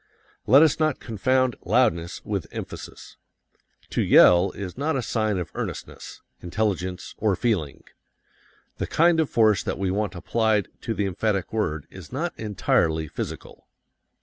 Let us not confound loudness with emphasis. To yell is not a sign of earnestness, intelligence, or feeling. The kind of force that we want applied to the emphatic word is not entirely physical.